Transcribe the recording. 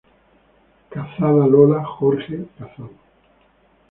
Cazada Lola, Jorge, cazado.